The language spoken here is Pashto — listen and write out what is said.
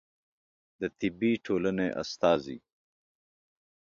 د طبي ټولنې استازی